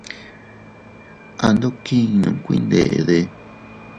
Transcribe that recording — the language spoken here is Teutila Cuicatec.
Ando kinnun kuindedi.